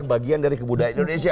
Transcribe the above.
bagian dari kebudayaan indonesia